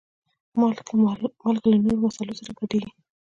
مالګه له نورو مصالحو سره ګډېږي.